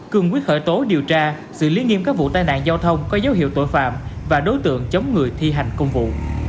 cương quyết khởi tố điều tra xử lý nghiêm các vụ tai nạn giao thông có dấu hiệu tội phạm và đối tượng chống người thi hành công vụ